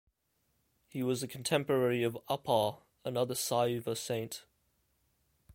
He was a contemporary of Appar, another Saiva saint.